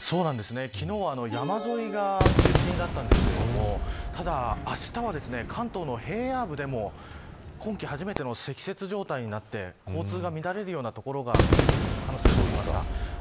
昨日は山沿いが中心だったんですけれどもただ、あしたは関東の平野部でも今季初めての積雪状態になって交通が乱れるような所が出てくる可能性が出てきました。